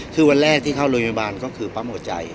คือวันแรกที่เข้าโรงพยาบาลก็คือปั๊มหัวใจ